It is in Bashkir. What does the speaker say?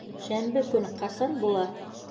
Шәмбе көн ҡасан була?